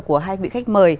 của hai vị khách mời